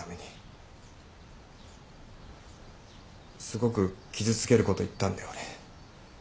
すごく傷つけること言ったんで俺。